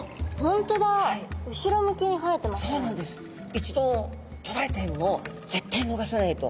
一度とらえた獲物を絶対逃さないと。